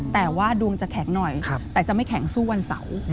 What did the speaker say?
แต่ว่าดวงจะแข็งหน่อยแต่จะไม่แข็งสู้วันเสาร์